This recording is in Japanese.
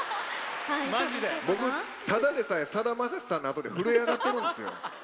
僕、ただでさえさだまさしさんのあとで震え上がってるんですよ。